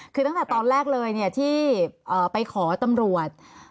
คือตั้งแต่ตอนแรกเลยที่ไปขอตำรวจ